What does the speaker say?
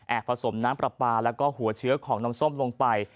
ผสมน้ำปลาปลาแล้วก็หัวเชื้อของน้ำส้มลงไป